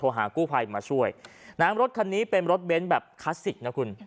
หากู้ภัยมาช่วยน้ำรถคันนี้เป็นรถเบ้นแบบคลาสสิกนะคุณ